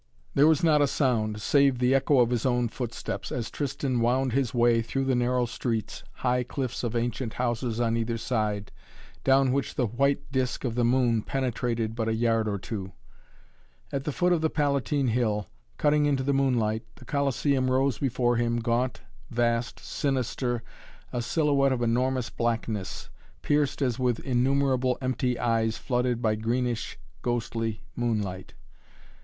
There was not a sound, save the echo of his own footsteps, as Tristan wound his way through the narrow streets, high cliffs of ancient houses on either side, down which the white disk of the moon penetrated but a yard or two. At the foot of the Palatine Hill, cutting into the moonlight, the Colosseum rose before him, gaunt, vast, sinister, a silhouette of enormous blackness, pierced as with innumerable empty eyes flooded by greenish, ghostly moonlight.